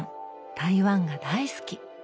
台湾が大好き。